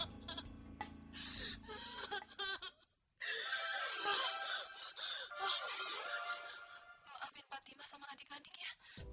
maafin fatima sama adik adik ya